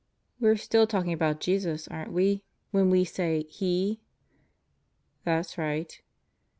"We're still talking about Jesus aren't we, when we say 'He'?" "That's right."